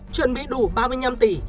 chuẩn bị đủ ba mươi năm tỷ